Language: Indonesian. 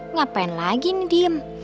ngapain lagi nih diem